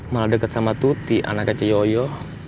malah deket sama tuti anak keceyoyo